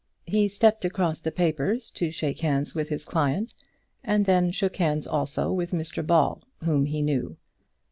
He stepped across the papers to shake hands with his client, and then shook hands also with Mr Ball, whom he knew.